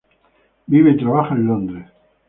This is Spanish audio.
Vive y trabaja en Londres.